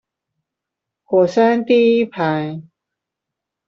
火山第一排